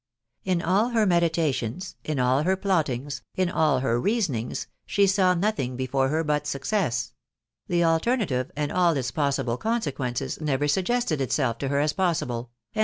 In all her meditations, in all her plottings, in all her reasonings, she saw nothing before her but success ; the alternative, and all its possible consequences, never suggested itself to her as possible, and.